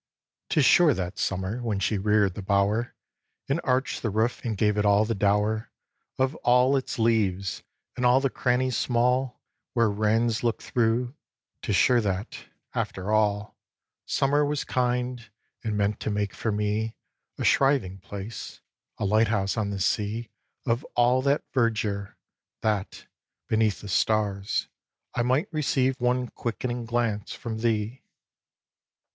xv. 'Tis sure that summer, when she rear'd the bower And arched the roof and gave it all the dower Of all its leaves, and all the crannies small Where wrens look through, 'tis sure that, after all, Summer was kind, and meant to make for me A shriving place, a lighthouse on the sea Of all that verdure, that, beneath the stars, I might receive one quickening glance from thee.